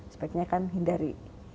sebaiknya kan hindari